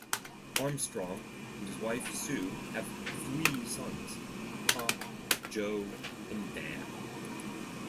Armstrong and his wife, Sue, have three sons: Tom, Joe, and Dan.